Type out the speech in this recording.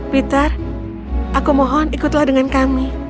peter aku mohon ikutlah dengan kami